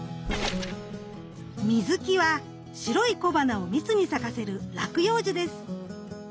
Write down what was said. ミズキは白い小花を密に咲かせる落葉樹です。